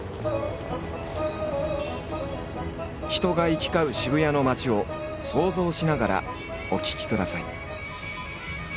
人が行き交う渋谷の街を想像しながらお聞きください。